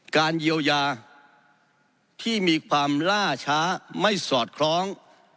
การเยียวยาที่มีความล่าช้าไม่สอดคล้อง